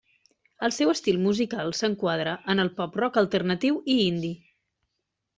El seu estil musical s'enquadra en el pop-rock alternatiu i indie.